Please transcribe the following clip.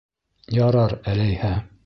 — Ярар әләйһә.